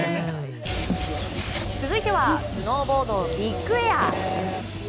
続いてはスノーボード・ビッグエア。